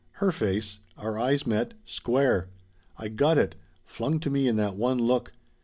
Her face. Our eyes met square. I got it flung to me in that one look.